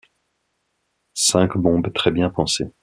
Cinq bombes très bien pensées.